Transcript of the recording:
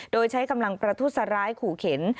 โดยใช้กำลังประทุษร้ายขู่เข็น